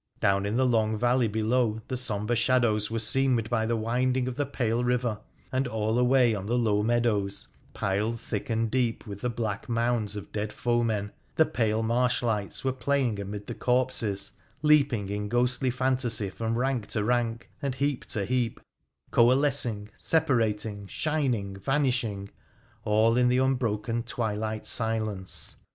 Down in the long valley below the sombre shadows were seamed by the winding of the pale river ; and all away on the low meadows, piled thick and deep with the black mounds of dead foemen, the pale marsh lights were playing amid the corpses — leaping in ghostly fantasy from rank to rank, and heap to heap, coalescing, separating, shining, vanishing, all in the unbroken twilight silence.